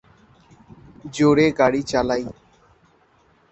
জোরে গাড়ি চালাই।